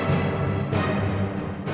kamu yang buka